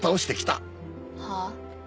はあ？